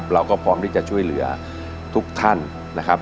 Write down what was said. เราก็พร้อมที่จะช่วยเหลือทุกท่านนะครับ